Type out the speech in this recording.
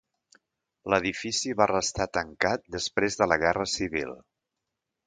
L'edifici va restar tancat després de la Guerra Civil.